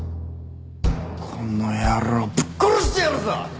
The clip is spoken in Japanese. この野郎ぶっ殺してやるぞ！